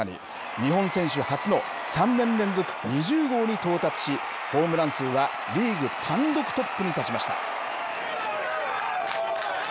日本選手初の３年連続２０号に到達し、ホームラン数はリーグ単独トップに立ちました。